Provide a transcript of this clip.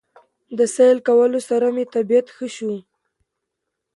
د سېل کولو سره مې طبعيت ښه شو